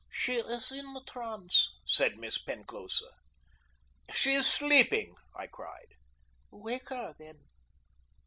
"She is in the trance," said Miss Penclosa. "She is sleeping!" I cried. "Wake her, then!"